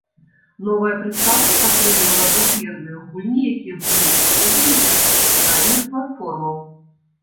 Новая прыстаўка падтрымлівала двухмерныя гульні якія былі выдадзены для больш ранніх платформаў.